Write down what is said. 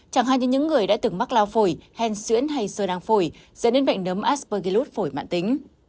chẳng hạn như những người đã từng mắc lao phổi hèn xuyễn hay sơ đăng phổi dẫn đến bệnh nấm asburgill phổi mạng tính